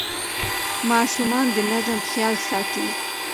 ماشومان د نظم خیال ساتي.